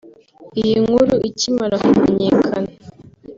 Iyi nkuru ikimara kumenyakana